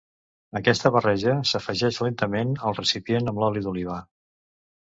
Aquesta barreja s’afegeix lentament al recipient amb l’oli d’oliva.